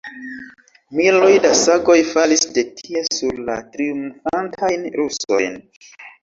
Miloj da sagoj falis de tie sur la triumfantajn rusojn!